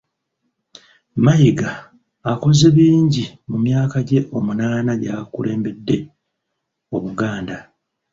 Mayiga akoze bingi mu myaka gye omunaana gy'akulembedde Obuganda